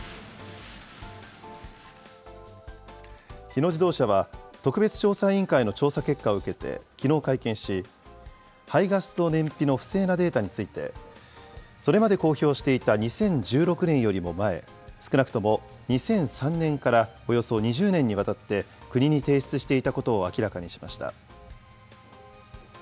日野自動車は、特別調査委員会の結果を受けてきのう会見し、排ガスと燃費の不正なデータについて、それまで公表していた２０１６年よりも前、少なくとも２００３年からおよそ２０年にわたって国に提出していたことを明らかにしました。